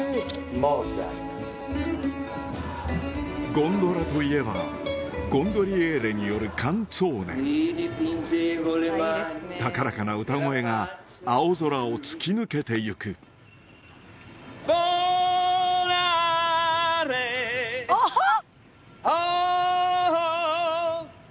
ゴンドラといえばゴンドリエーレによるカンツォーネ高らかな歌声が青空を突き抜けてゆくあはっ！